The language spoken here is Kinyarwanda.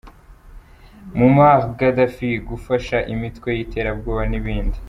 Muammar Gaddafi, gufasha imitwe y’iterabwoba n’ibindi.